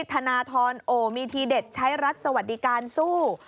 ธนทรโอ้มีทีเด็ดใช้รัฐสวัสดิการสู้